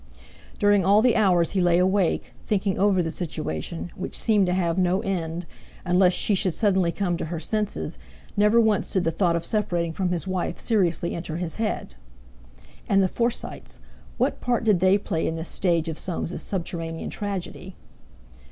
During all the hours he lay awake, thinking over the situation, which seemed to have no end—unless she should suddenly come to her senses—never once did the thought of separating from his wife seriously enter his head.... And the Forsytes! What part did they play in this stage of Soames's subterranean tragedy?